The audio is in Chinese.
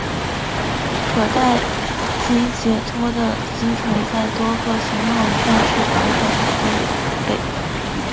可待击解脱的击锤在多个型号以上是可选配备。